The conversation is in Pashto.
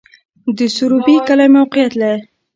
د سروبی کلی موقعیت